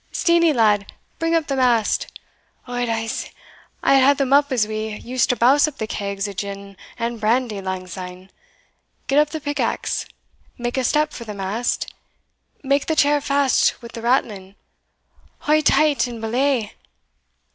Steenie, lad, bring up the mast Od, I'se hae them up as we used to bouse up the kegs o' gin and brandy lang syne Get up the pickaxe, make a step for the mast make the chair fast with the rattlin haul taught and belay!"